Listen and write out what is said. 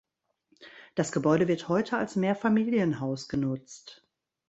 Das Gebäude wird heute als Mehrfamilienhaus genutzt.